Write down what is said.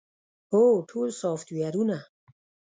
هو، ټول سافټویرونه